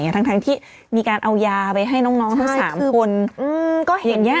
ทั้งที่มีการเอายาไปให้น้องทุก๓คน